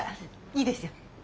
いいですよ。